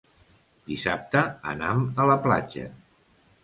Dissabte anam a la platja.